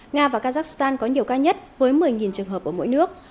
nga và kazakhstan có nhiều ca nhất với một mươi trường hợp ở mỗi nước